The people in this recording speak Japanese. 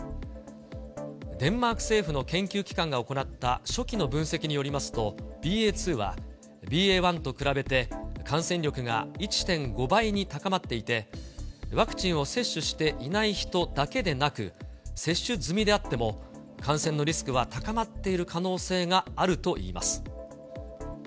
デンマーク政府の研究機関が行った初期の分析によりますと、ＢＡ．２はＢＡ．１と比べて感染力が１．５倍に高まっていて、ワクチンを接種していない人だけでなく、接種済みであっても、感染のリスクは高まっている可能性があるといいます。